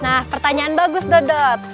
nah pertanyaan bagus dodot